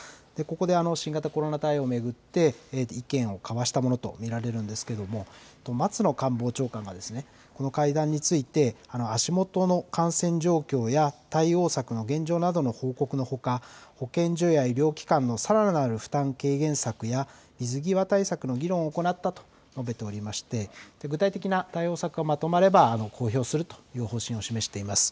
ここで、新型コロナ対応を巡って意見を交わしたものとみられるんですけれども松野官房長官がですねこの会談について足元の感染状況や対応策の現状などの報告のほか保健所や医療機関のさらなる負担軽減策や水際対策の議論を行ったと述べておりまして具体的な対応策がまとまれば公表するという方針を示しています。